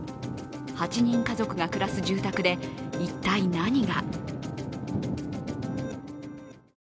８人家族が暮らす住宅で一体何が。